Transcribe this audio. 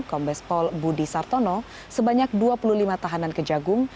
kombespol budi sartono sebanyak dua puluh lima tahanan kejagung